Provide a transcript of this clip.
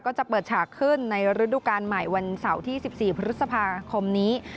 ก็จะเปิดฉากขึ้นในฤดูการใหม่วันเสาร์ที่๑๔พฤษภาคมนี้